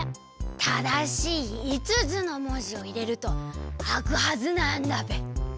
ただしい５つのもじをいれるとあくはずなんだべ。